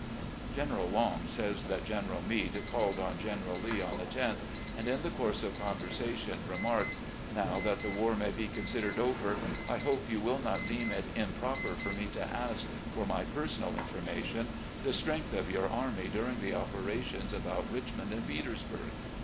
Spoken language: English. General Long says that General Meade called on Gen eral Lee on the loth, and in the course of conversation remarked: " Now that the war may be considered over, I hope you will not deem it improper for me to ask, for my personal information, the strength of your army during the opera tions about Richmond and Petersburg."